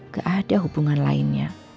gak ada hubungan lainnya